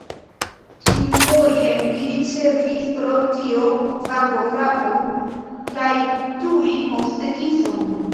Ĉiufoje li ricevis pro tio vangofrapon kaj tuj poste kison.